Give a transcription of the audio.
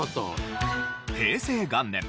平成元年